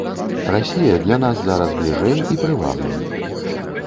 Расія для нас зараз бліжэй і прывабней.